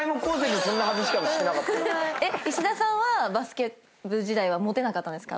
石田さんはバスケ部時代はモテなかったんですか？